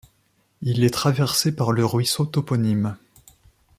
Il est traversé par le ruisseau toponyme.